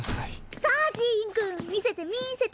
さあジーンくんみせてみせて！